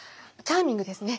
チャーミングですね。